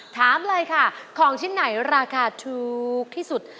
ถามเลยค่ะของชิ้นไหนราคาถูกที่สุด